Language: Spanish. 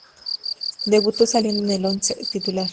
Debutó saliendo en el once titular.